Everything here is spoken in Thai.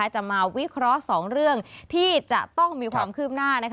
จะมาวิเคราะห์๒เรื่องที่จะต้องมีความคืบหน้า